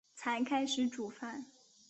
才开始煮饭